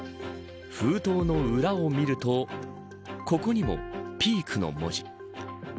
封筒の裏を見るとここにもｐｅａｋの文字。